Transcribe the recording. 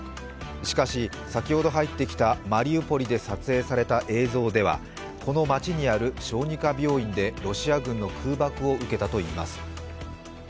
しかし、先ほど入ってきたマリウポリで撮影された映像ではこの街にある小児科病院でロシア軍の空爆を受けたといいます。